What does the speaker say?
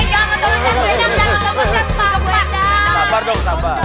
jangan lupa jangan lupa